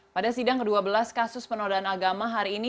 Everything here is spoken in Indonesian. pada sidang ke dua belas kasus penodaan agama hari ini